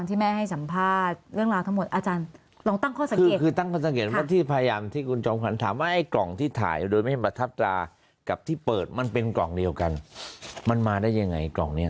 ที่พยายามที่คุณจอมควันถามว่าไอ้กล่องที่ถ่ายโดยไม่ประทับตรากับที่เปิดมันเป็นกล่องเดียวกันมันมาได้ยังไงกล่องเนี้ย